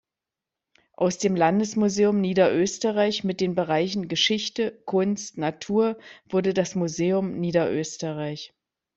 Aus dem Landesmuseum Niederösterreich mit den Bereichen Geschichte, Kunst, Natur wurde das Museum Niederösterreich.